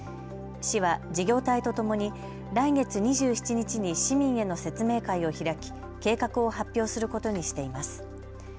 市は事業体とともに来月２７日に市民への説明会を開き計画を発表することにしています。